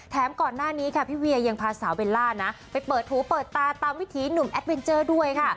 ก่อนหน้านี้ค่ะพี่เวียยังพาสาวเบลล่านะไปเปิดหูเปิดตาตามวิถีหนุ่มแอดเวนเจอร์ด้วยค่ะ